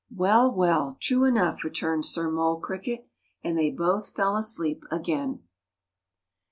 "Well, well, true enough!" returned Sir Mole Cricket. And they both fell asleep again.